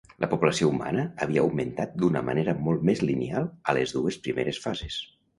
La població humana havia augmentat d'una manera molt més lineal a les dues primeres fases.